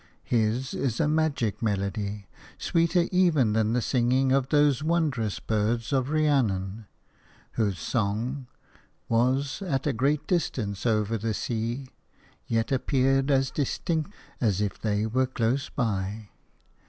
His is a magic melody, sweeter even than the singing of those wondrous birds of Rhiannon, whose song "was at a great distance over the sea, yet appeared as distinct as if they were close by.